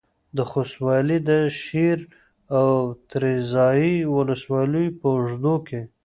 د خوست والي د شېر او تریزایي ولسوالیو په اوږدو کې